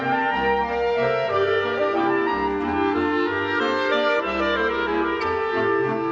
สวัสดีครับสวัสดีครับ